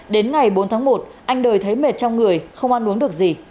đến ngày bốn tháng một anh đời thấy mệt trong người không ăn uống được gì